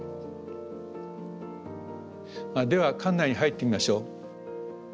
では館内に入ってみましょう。